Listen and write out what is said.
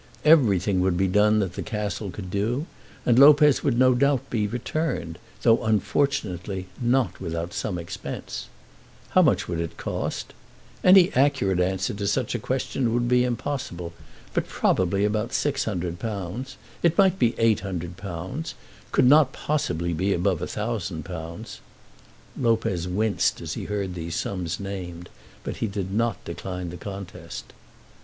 Everything would be done that the Castle could do, and Lopez would be no doubt returned, though, unfortunately, not without some expense. How much would it cost? Any accurate answer to such a question would be impossible, but probably about £600. It might be £800; could not possibly be above £1000. Lopez winced as he heard these sums named, but he did not decline the contest.